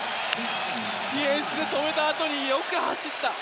ディフェンス止めたあとによく走った！